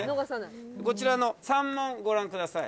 こちらの山門ご覧ください。